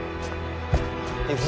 行くぞ。